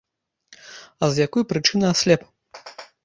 А з якой прычыны аслеп?